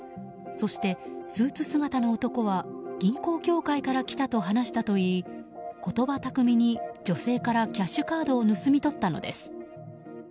そして、スーツ姿の男は銀行協会から来たと話したといい言葉巧みに、女性からキャッシュカードを盗み取ったのです。